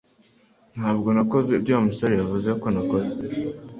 Ntabwo nakoze ibyo Wa musore yavuze ko nakoze